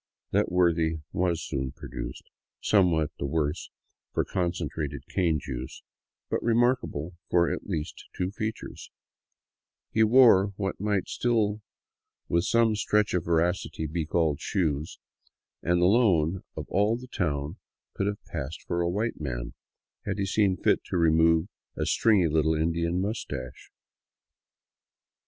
That worthy was soon produced, somewhat the worse for concentrated cane juice, but remarkable for at least two features, — that he wore 244 APPROACHING INCA LAND what might still with some stretch of veracity be called shoes, and alone of all the town could have passed for a white man, had he seen fit to remove a stringy little Indian mustache.